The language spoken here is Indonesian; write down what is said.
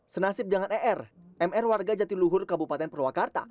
senasib dengan er mr warga jatiluhur kabupaten purwakarta